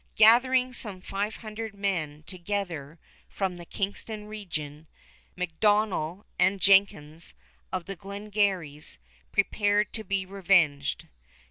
Gathering some five hundred men together from the Kingston region, M'Donnell and Jenkins of the Glengarrys prepared to be revenged.